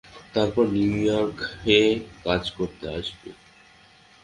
তারপর নিউ ইয়র্কে কাজ করতে আসবে।